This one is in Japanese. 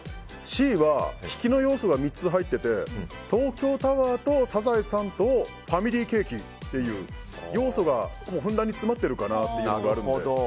Ｃは引きの要素が３つ入ってて東京タワーと「サザエさん」とファミリーケーキという要素がふんだんに詰まってるかなと思うので。